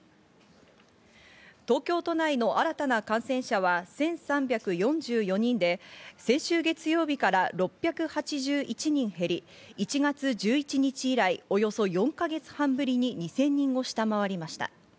東京都内の新たな感染者は１３４４人で、先週月曜日から６８１人減り、１月１１日以来、およそ４か月半ぶりに２０００人を下回りました。